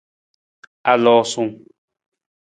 Aloosung.